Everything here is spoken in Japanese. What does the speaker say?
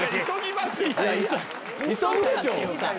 ・急ぐでしょ。